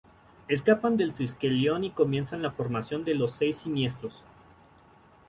Escapan del Triskelion y comienzan la formación de los Seis Siniestros.